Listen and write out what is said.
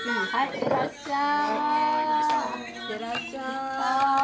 いってらっしゃい。